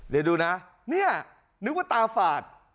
เดี๋ยวดูนะเนี่ยนึกว่าตาฝาด